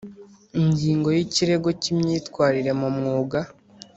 Ingingo ya ikirego cy imyitwarire mu mwuga